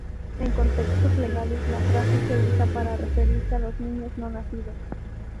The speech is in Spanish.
En contextos legales, la frase se usa para referirse a los niños no nacidos.